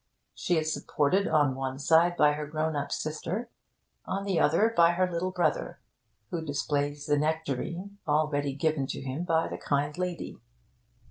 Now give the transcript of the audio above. She is supported on one side by her grown up sister, on the other by her little brother, who displays the nectarine already given to him by the kind lady.